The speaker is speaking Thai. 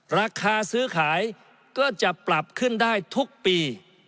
ราคาซื้อขายก็จะปรับขึ้นได้ทุกปี